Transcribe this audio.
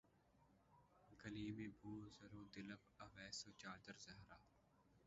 Gleam بو ذر و دلق اویس و چادر زہرا